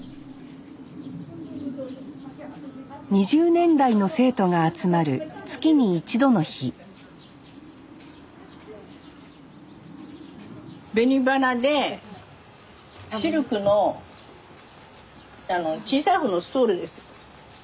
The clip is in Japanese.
２０年来の生徒が集まる月に一度の日紅花でシルクの小さい方のストールです。